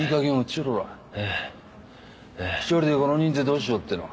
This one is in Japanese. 一人でこの人数どうしようっての。